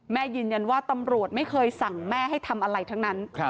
ยืนยันว่าตำรวจไม่เคยสั่งแม่ให้ทำอะไรทั้งนั้น